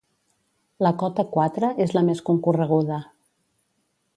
La cota quatre és la més concorreguda.